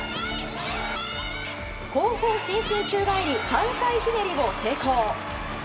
後方伸身宙返り３回ひねりを成功。